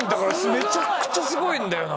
めちゃくちゃすごいんだよな。